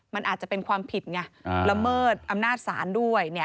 มันอาจจะเป็นความผิดเนี่ยละเมิดอำนาจศาลด้วยเนี่ย